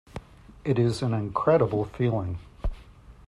It is an incredible feeling.